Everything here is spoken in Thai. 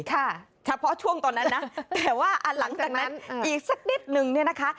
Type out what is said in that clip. ค่ะเฉพาะช่วงตอนนั้นนะแต่ว่าหลังจากนั้นอีกสักนิดนึงเนี่ยนะคะ